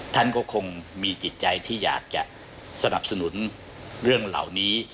ท่านก็คงมีจิตใจที่อยากจะสนับสนุนเรื่องเหล่านี้